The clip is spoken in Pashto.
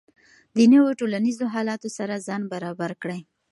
د نویو ټولنیزو حالاتو سره ځان برابر کړئ.